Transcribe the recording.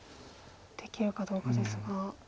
できるかどうかですが。